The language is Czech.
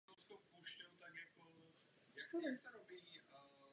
Průmyslově se využívá méně než její příbuzná levandule lékařská.